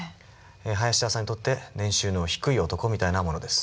林田さんにとって年収の低い男みたいなものです。